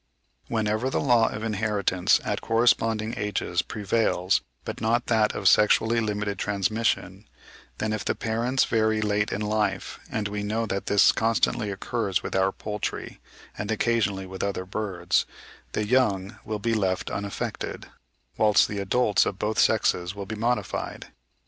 Whenever the law of inheritance at corresponding ages prevails but not that of sexually limited transmission, then if the parents vary late in life—and we know that this constantly occurs with our poultry, and occasionally with other birds—the young will be left unaffected, whilst the adults of both sexes will be modified.